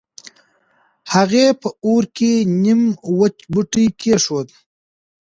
هغې په اور کې نيم وچ بوټی کېښود.